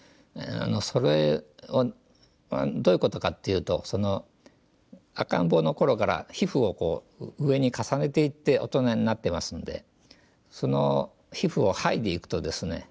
それをどういうことかっていうと赤ん坊の頃から皮膚を上に重ねていって大人になってますんでその皮膚を剥いでいくとですね